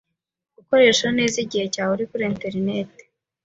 Gukoresha neza igihe cyawe igihe uri kuri interineti